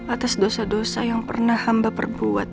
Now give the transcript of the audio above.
atas dosa dosa yang pernah hamba perbuat